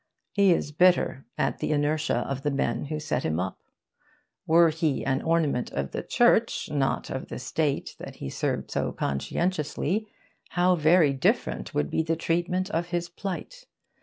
He is bitter at the inertia of the men who set him up. Were he an ornament of the Church, not of the State that he served so conscientiously, how very different would be the treatment of his plight!